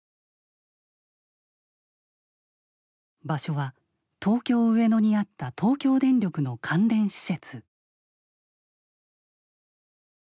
場所は東京・上野にあった東京電力の関連施設。